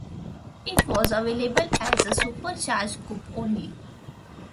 It was available as a Supercharged coupe only.